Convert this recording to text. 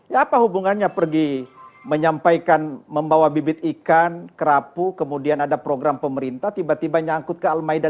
ya apa hubungannya pergi menyampaikan membawa bibit ikan kerapu kemudian ada program pemerintah tiba tiba nyangkut ke al maida